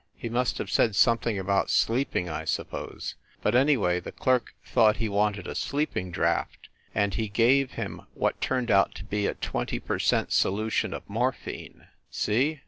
He must have said something about sleeping, I suppose; but anyway, the clerk thought he wanted a sleeping draught, and he gave him what turned out to be a twenty per cent, solution of mor phine. See?